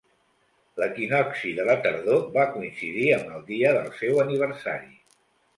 L'equinocci de la tardor va coincidir amb el dia del seu aniversari.